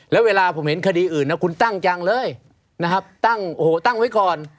แล้วเวลาผมเห็นคดีอื่นนะคุณตั้งจังเลยนะครับตั้งโอ้โหตั้งไว้ก่อน